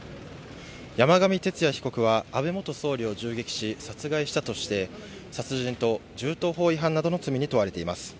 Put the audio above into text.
山上徹也被告は、安倍元総理を銃撃し、殺害したとして、殺人と銃刀法違反などの罪に問われています。